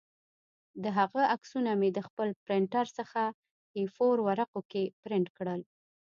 د هغه عکسونه مې د خپل پرنټر څخه اې فور ورقو کې پرنټ کړل